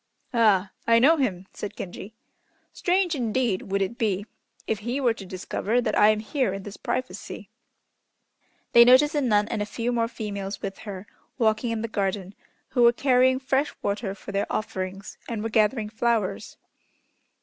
"Ah! I know him," said Genji. "Strange, indeed, would it be if he were to discover that I am here in this privacy." They noticed a nun and a few more females with her walking in the garden, who were carrying fresh water for their offerings, and were gathering flowers.